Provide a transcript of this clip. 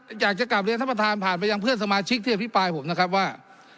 อยากจะกลับเรียนท่านประธานผ่านไปยังเพื่อนสมาชิกที่อภิปรายผมนะครับว่า